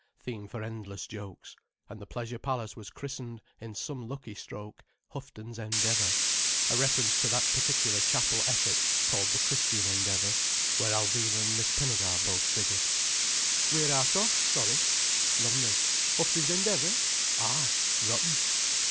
Theme for endless jokes. And the Pleasure Palace was christened, in some lucky stroke, Houghton's Endeavour, a reference to that particular Chapel effort called the Christian Endeavour, where Alvina and Miss Pinnegar both figured. "Wheer art off, Sorry?" "Lumley." "Houghton's Endeavour?" "Ah." "Rotten."